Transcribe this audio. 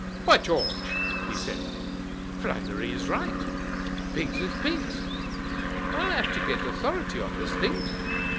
"By George!" he said, "Flannery is right, 'pigs is pigs.' I'll have to get authority on this thing.